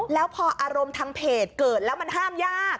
แล้วพออารมณ์ทางเพจเกิดแล้วมันห้ามยาก